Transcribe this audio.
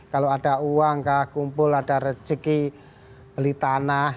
kalau ada uang kah kumpul ada rezeki beli tanah